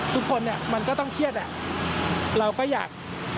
ทุกคนเนี่ยมันก็ต้องเครียดเราก็อยาก